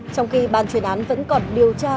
trong khi bàn truyền án vẫn còn điều tra